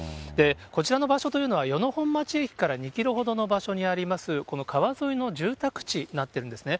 こちらの場所というのは、与野本町駅から２キロほどの場所にあります、この川沿いの住宅地になってるんですね。